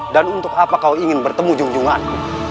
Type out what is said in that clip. dan untuk apa kau ingin bertemu junjunganku